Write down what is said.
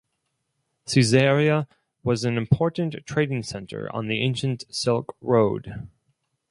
Caesarea was an important trading centre on the ancient Silk Road.